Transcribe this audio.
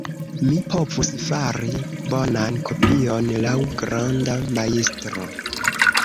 Mi povus fari bonan kopion laŭ granda majstro.